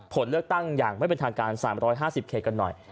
ผลเลือกตั้งอย่างไม่เป็นทางการ๓๕๐เขตกันหน่อย